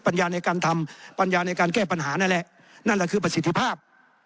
ญาในการทำปัญญาในการแก้ปัญหานั่นแหละนั่นแหละคือประสิทธิภาพ